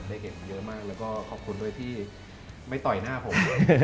ได้เห็นมันเยอะมากและขอบคุณที่ไม่ต่อยหน้าผม